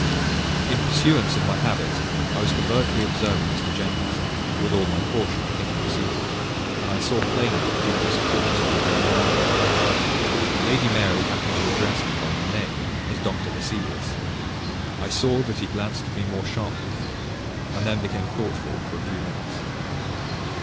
In pursuance of my habit, I was covertly observing Mr. Jennings, with all my caution I think he perceived it and I saw plainly that he was as cautiously observing me. Lady Mary happening to address me by my name, as Dr. Hesselius, I saw that he glanced at me more sharply, and then became thoughtful for a few minutes.